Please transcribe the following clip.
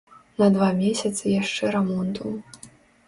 На два месяцы яшчэ рамонту.